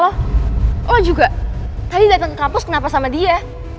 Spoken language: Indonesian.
lo juga tadi datang ke kapus kenapa sama dia